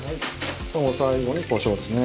最後にこしょうですね。